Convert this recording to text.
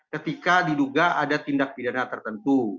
ketika diduga ada tindak pidana tertentu